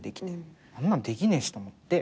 あんなんできねえしと思って。